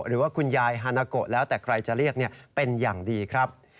หรือว่าคุณยายฮานาโกะแล้วแต่ใครจะเรียกเป็นอย่างดีครับ